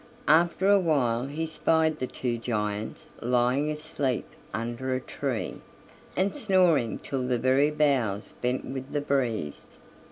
After a while he spied the two giants lying asleep under a tree, and snoring till the very boughs bent with the breeze.